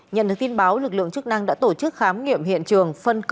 nhận được tin báo lực lượng chức năng đã tổ chức khám nghiệm hiện trường